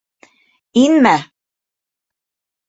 Инмә!